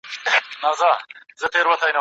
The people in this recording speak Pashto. منبر به وي، بلال به وي، ږغ د آذان به نه وي